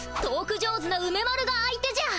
上手な梅丸が相手じゃ。